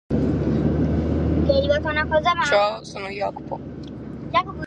S'initziativa moveit dae chie fiat giai su diretore de su setimanale.